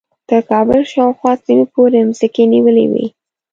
تر کابل شاوخوا سیمو پورې مځکې نیولې وې.